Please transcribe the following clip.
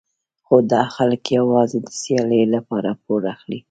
خو دا خلک یوازې د سیالۍ لپاره پور اخلي.